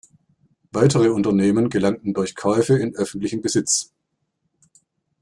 Weitere Unternehmen gelangten durch Käufe in öffentlichen Besitz.